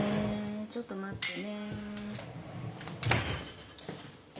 ちょっと待ってね。